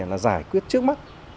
là giải quyết trước mắt